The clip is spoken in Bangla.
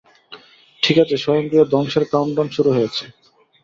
ঠিকাছে, স্বয়ংক্রিয়-ধ্বংসের কাউন্টডাউন শুরু হয়েছে।